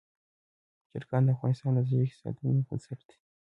چرګان د افغانستان د ځایي اقتصادونو بنسټ دی.